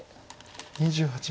２８秒。